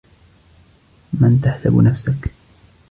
من تحسب نفسك ؟